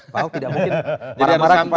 pak ahok tidak mungkin marah marah kepada